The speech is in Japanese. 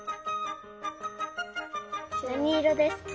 なにいろですか？